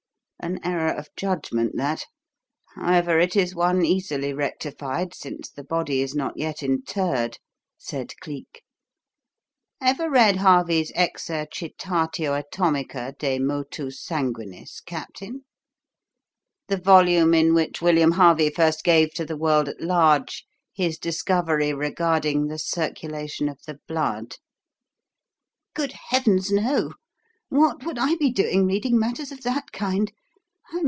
"An error of judgment that; however, it is one easily rectified, since the body is not yet interred," said Cleek. "Ever read Harvey's 'Exercitatio Anatomica de Motu Sanguinis,' Captain? the volume in which William Harvey first gave to the world at large his discovery regarding the circulation of the blood." "Good heavens, no! What would I be doing reading matters of that kind?